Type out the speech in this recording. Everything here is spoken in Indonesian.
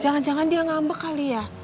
jangan jangan dia ngambek kali ya